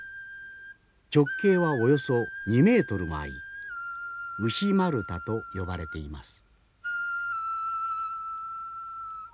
直径はおよそ２メートルもあり牛丸太と呼ばれています。